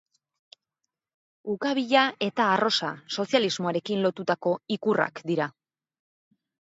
Ukabila eta arrosa, sozialismoarekin lotutako ikurrak dira.